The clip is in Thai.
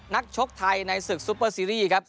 ชกไทยในศึกซุปเปอร์ซีรีส์ครับ